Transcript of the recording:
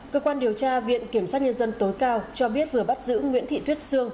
cơ quan điều tra viện kiểm sát nhân dân tối cao cho biết vừa bắt giữ nguyễn thị tuyết sương